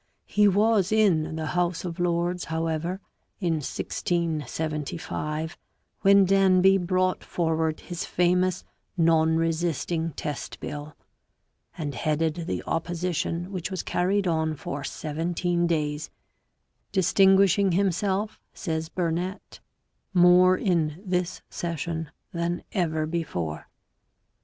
He was in the House of Lords, however, in 1675, when Danby brought forward his famous Non resisting Test Bill, and headed the opposition which was carried on for seventeen days, distinguishing himself, says Burnet, more in this session than ever before.